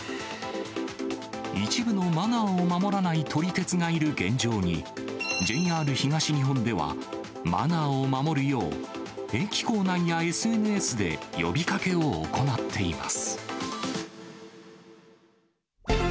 一部のマナーを守らない撮り鉄がいる現状に、ＪＲ東日本では、マナーを守るよう、駅構内やＳＮＳで呼びかけを行っています。